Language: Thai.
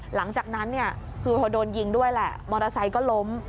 หลังจากนั้นเนี่ยคือพอโดนยิงด้วยแหละมอเตอร์ไซค์ก็ล้ม